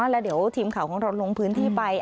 แล้วเดี๋ยวทีมข่าวของเราลงพื้นที่ไป